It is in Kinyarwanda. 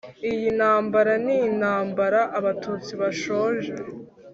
iyi ntambara ni intambara abatutsi bashoje,